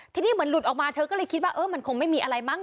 ทีนี้เหมือนหลุดออกมาเธอก็เลยคิดว่าเออมันคงไม่มีอะไรมั้